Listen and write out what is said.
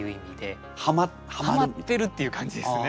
はまってるっていう感じですね。